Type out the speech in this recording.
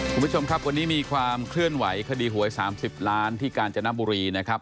คุณผู้ชมครับวันนี้มีความเคลื่อนไหวคดีหวย๓๐ล้านที่กาญจนบุรีนะครับ